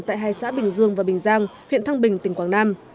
tại hai xã bình dương và bình giang huyện thăng bình tỉnh quảng nam